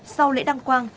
sau lễ đăng quang